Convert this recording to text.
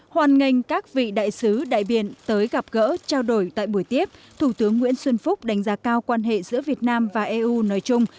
hoàn nghênh các vị đại sứ đại biện tới gặp gỡ trao đổi tại buổi tiếp thủ tướng nguyễn xuân phúc đánh giá cao quan hệ giữa việt nam và eu nói chung